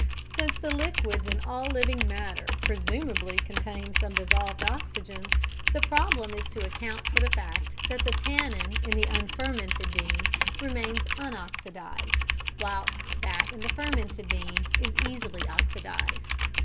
Since the liquids in all living matter presumably contain some dissolved oxygen, the problem is to account for the fact that the tannin in the unfermented bean remains unoxidised, whilst that in the fermented bean is easily oxidised.